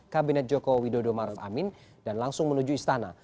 kabinet jokowi widodo ma'ruf amin dan langsung menuju istana